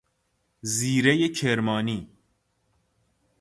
زیرۀ کرمانی